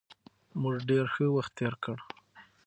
موږ ډېر ښه وخت تېر کړ.